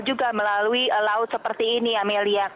juga melalui laut seperti ini amelia